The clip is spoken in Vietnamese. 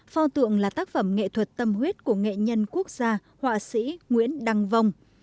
pho tượng là tác phẩm nghệ thuật tâm huyết của nghệ nhân quốc gia họa sĩ nguyễn đăng vong